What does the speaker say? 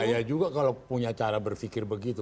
bahaya juga kalau punya cara berpikir begitu